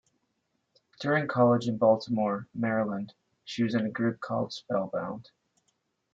During college in Baltimore, Maryland, she was in a group called Spellbound.